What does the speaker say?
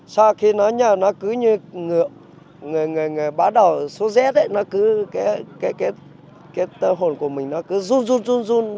sau khi nó nhập nó cứ như người bắt đầu số z ấy cái tơ hồn của mình nó cứ run run run run